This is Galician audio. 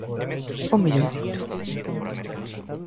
Ou mellor dito.